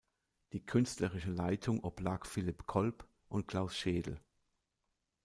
Die künstlerische Leitung oblag Philipp Kolb und Klaus Schedl.